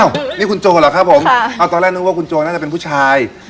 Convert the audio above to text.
นี่คุณโจเหรอครับผมเอาตอนแรกนึกว่าคุณโจน่าจะเป็นผู้ชาย